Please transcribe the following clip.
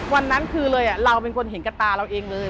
วันนั้นคือเลยเราเป็นคนเห็นกับตาเราเองเลย